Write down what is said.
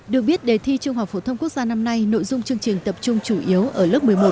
được biết đề thi trung học phổ thông quốc gia năm nay nội dung chương trình tập trung chủ yếu ở lớp một mươi một